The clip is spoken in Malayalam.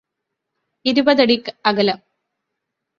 ഇരുപതടി അകലം